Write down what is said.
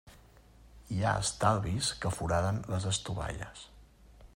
Hi ha estalvis que foraden les estovalles.